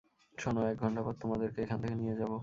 শোনো, এক ঘন্টা পর তোমাদেরকে এখান থেকে নিয়ে যাব!